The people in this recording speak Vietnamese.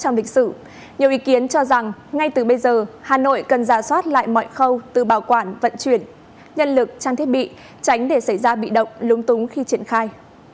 nhiều ý kiến cho rằng ngay từ bây giờ hà nội cần giả soát lại mọi khâu từ bảo quản vận chuyển nhân lực trang thiết bị tránh để xảy ra bị động lúng túng khi triển khai